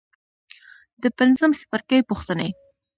د پنځم څپرکي پوښتنې.